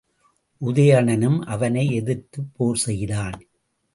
உதயணனும் அவனை எதிர்த்துப் போர்செய்தான்.